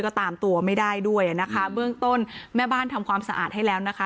ก็ตามตัวไม่ได้ด้วยอ่ะนะคะเบื้องต้นแม่บ้านทำความสะอาดให้แล้วนะคะ